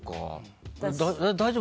大丈夫？